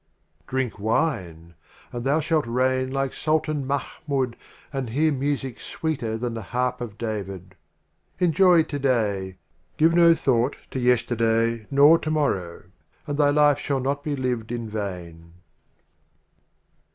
LX. Drink Wine ! and thou shalt reign like Sultan Mahmud And hear Music sweeter than the Harp of David. Enjoy To day; give no thought to Yesterday nor To morrow, And thy Life shall not be lived in vain.